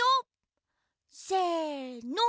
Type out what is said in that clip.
せの！